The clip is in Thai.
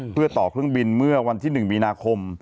เพื่อต่อเครื่องบินเมื่อวันที่๑มีนาคม